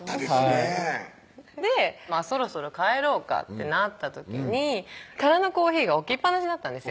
はいそろそろ帰ろうかってなった時に空のコーヒーが置きっ放しだったんです